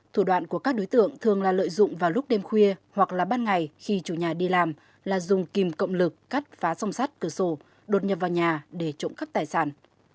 thủ đoạn của các đối tượng thường là lợi dụng vào lúc đêm khuya hoặc là ban ngày khi chủ nhà đi làm là dùng kìm cộng lực cắt phá song sắt cửa sổ đột nhập vào nhà để trộm cắp tài sản